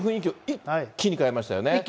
一気に変えましたね。